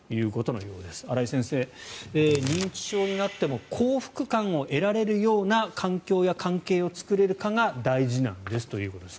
新井先生、認知症になっても幸福感を得られるような環境や関係を作れるかが大事なんですということです。